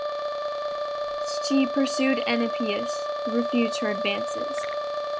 She pursued Enipeus, who refused her advances.